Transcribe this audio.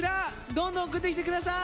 どんどん送ってきて下さい。